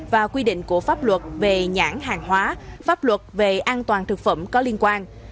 và quy định của pháp luật về nhãn hàng hóa pháp luật về an toàn thực phẩm có liên quan